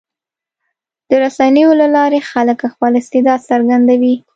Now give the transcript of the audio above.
د رسنیو له لارې خلک خپل استعداد څرګندوي.